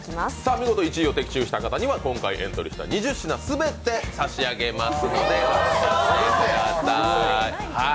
見事１位を的中した方には今回エントリーした２０品すべて差し上げます。